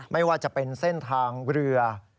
ไม่ว่าจะเป็นเส้นทางเรือ